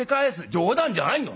「冗談じゃないよ。